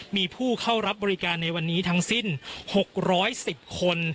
มีผู้เข้ารับบริการในวันนี้ทั้งสิ้น๖๑๐คน